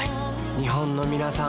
日本のみなさん